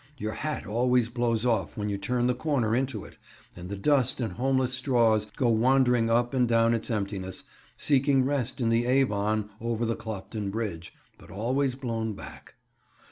Your hat always blows off when you turn the corner into it, and the dust and homeless straws go wandering up and down its emptiness, seeking rest in the Avon over the Clopton Bridge, but always blown back.